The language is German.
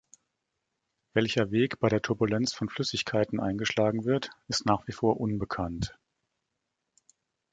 Welcher Weg bei der Turbulenz von Flüssigkeiten eingeschlagen wird, ist nach wie vor unbekannt.